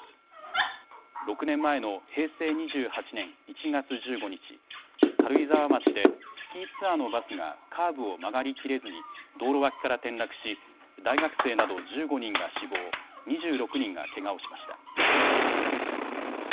６年前の平成２８年１月１５日、軽井沢町でスキーツアーのバスがカーブを曲がりきれずに道路脇から転落し大学生など１５人が死亡、２６人がけがをしました。